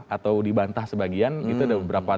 atau dibantah sebagian itu ada beberapa